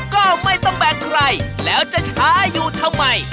ก็ไม่ต้องแบกใครแล้วจะช้าอยู่ทำไม